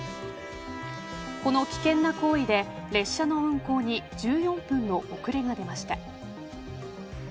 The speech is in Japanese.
この危険な行為で列車の運行に１４分の遅れが出ました。